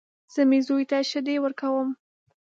زه مې زوی ته شيدې ورکوم.